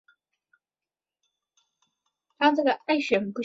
町内有东急田园都市线驹泽大学站。